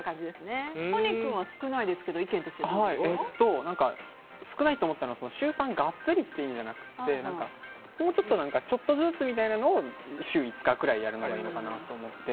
仁君は少ないですけど少ないと思ったのは週３ガッツリという意味じゃなくてもうちょっとちょっとずつみたいなのを週５日ぐらいやるのがいいのかなって思って。